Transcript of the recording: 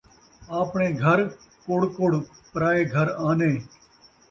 آپݨے گھر کُڑ کُڑ، پرائے گھر آنے